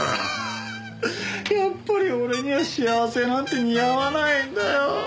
やっぱり俺には幸せなんて似合わないんだよ！